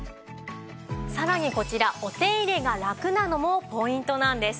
さらにこちらお手入れがラクなのもポイントなんです。